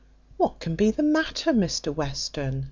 "What can be the matter, Mr Western?"